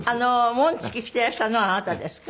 紋付き着てらっしゃるのがあなたですか？